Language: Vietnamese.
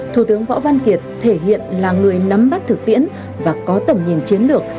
thủ tướng võ văn kiệt thể hiện là người nắm bắt thực tiễn và có tầm nhìn chiến lược